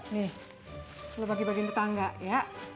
nih lo bagiin bagiin tetangga ya